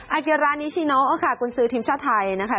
อาเกียรานิชิโนค่ะกุญสือทีมชาติไทยนะคะ